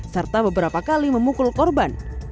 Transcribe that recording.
serta beberapa kali memukul korban